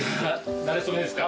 なれ初めですか？